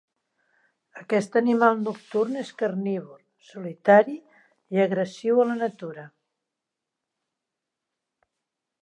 Aquest animal nocturn és carnívor, solitari i agressiu a la natura.